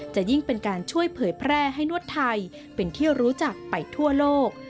จะยิ่งเป็นการช่วยเผยแพร่ให้นวดไทยเป็นที่รู้จักไปทั่วโลก